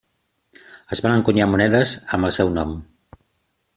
Es van encunyar monedes amb el seu nom.